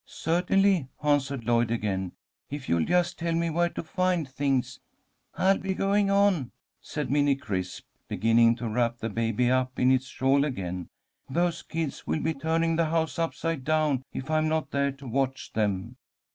"Certainly," answered Lloyd again. "If you'll just tell me where to find things." "I'll be going on," said Minnie Crisp, beginning to wrap the baby up in its shawl again. "Those kids will be turning the house upside down if I'm not there to watch them."